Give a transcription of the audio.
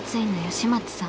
四松さん。